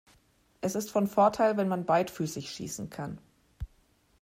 Es ist von Vorteil wenn man beidfüßig schießen kann.